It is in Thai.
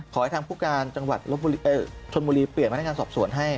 ขอให้ทางผู้การชนมุลีเปลี่ยนพนักงานสอบสวนให้